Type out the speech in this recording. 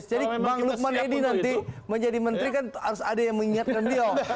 bang lukman edi nanti menjadi menteri kan harus ada yang mengingatkan beliau